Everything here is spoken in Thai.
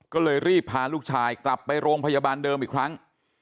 ก็เลยรีบพาลูกชายกลับไปโรงพยาบาลเดิมอีกครั้ง